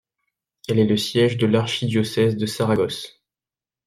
Elle est le siège de l'archidiocèse de Saragosse.